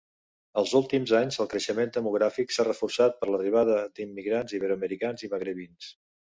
Als últims anys el creixement demogràfic s'ha reforçat per l'arribada d'immigrants iberoamericans i magrebins.